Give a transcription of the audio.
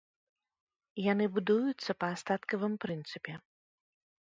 Яны будуюцца па астаткавым прынцыпе.